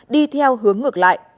đi theo hướng ngược lại